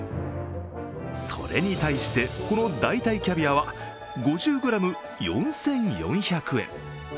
それに対して、この代替キャビアは５０ｇ４４００円。